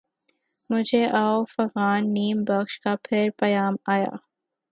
مجھے آہ و فغان نیم شب کا پھر پیام آیا